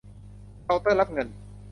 เคาน์เตอร์รับเงิน